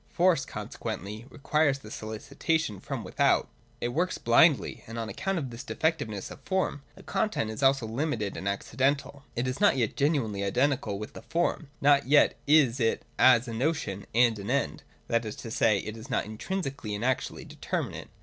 Force consequently requires solicitation from without : it works blindly : and on account of this de fectiveness of form, the content is also limited and ac cidental. It is not yet genuinely identical with the form : not yet is it as a notion and an end ; that is to say, it is not intrinsically and actually determinate.